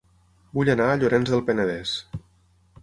Vull anar a Llorenç del Penedès